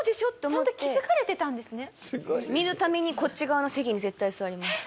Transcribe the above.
見るためにこっち側の席に絶対座ります。